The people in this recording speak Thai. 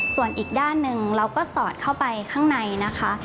ส่วนอีกด้านหนึ่งเราก็สอดเข้าไปข้างในนะคะ